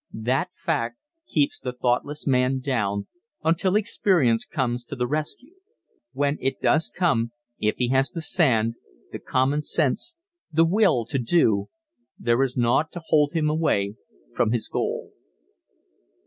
That fact keeps the thoughtless man down until experience comes to the rescue. When it does come, if he has the sand, the common sense, the will to do, there is naught to hold him away from his goal.